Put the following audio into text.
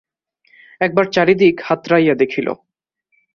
একবার চারিদিক হাতড়াইয়া দেখিল।